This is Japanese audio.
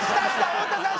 太田さん